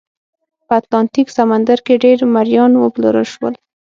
په اتلانتیک سمندر کې ډېر مریان وپلورل شول.